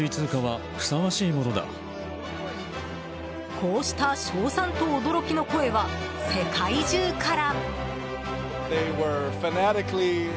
こうした賞賛と驚きの声は世界中から。